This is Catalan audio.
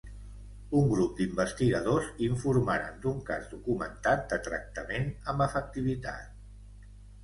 Un grup d'investigadors informaren d'un cas documentat de tractament amb efectivitat.